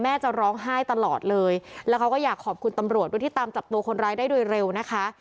จะร้องไห้ตลอดเลยแล้วเขาก็อยากขอบคุณตำรวจด้วยที่ตามจับตัวคนร้ายได้โดยเร็วนะคะ